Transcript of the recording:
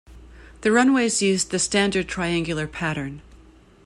The runways used the standard triangular pattern.